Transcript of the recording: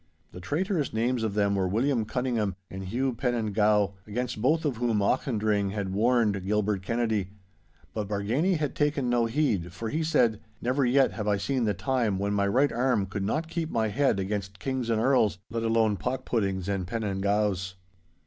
The traitorous names of them were William Cunningham and Hew Penandgow, against both of whom Auchendrayne had warned Gilbert Kennedy. But Bargany had taken no heed, for he said, 'Never yet have I seen the time when my right arm could not keep my head against kings and earls, let alone pock puddings and Penandgows!